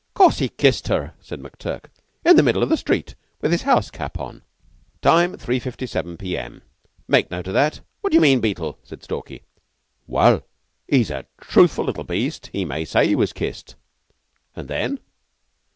'" "'Course he kissed her," said McTurk. "In the middle of the street. With his house cap on!" "Time, 3.57 p.m. Make a note o' that. What d'you mean, Beetle?" said Stalky. "Well! He's a truthful little beast. He may say he was kissed." "And then?"